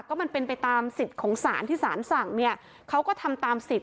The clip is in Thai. ก็มันเป็นไปตามสิทธิ์ของสารที่สารสั่งเนี่ยเขาก็ทำตามสิทธิ